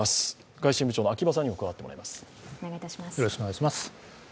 外信部長の秋場さんにも加わっていただきます。